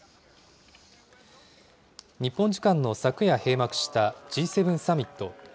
日本時間の昨夜閉幕したＧ７サミット。